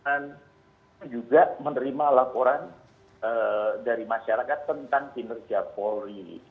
dan juga menerima laporan dari masyarakat tentang kinerja polri